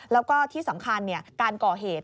แล้วก็ที่สำคัญการก่อเหตุ